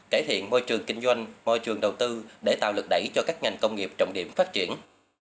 cải thiện môi trường kinh doanh môi trường đầu tư để tạo lực đẩy cho các ngành công nghiệp trọng điểm phát triển